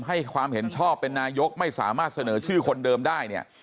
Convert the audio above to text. ให้ความเห็นชอบเป็นนายกไม่สามารถเสนอชื่อคนเดิมได้เนี่ย